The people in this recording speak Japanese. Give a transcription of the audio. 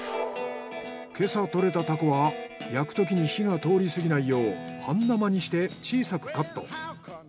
今朝獲れたタコは焼くときに火が通りすぎないよう半生にして小さくカット。